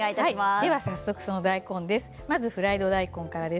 では早速、大根です。